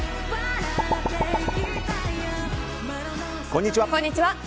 こんにちは。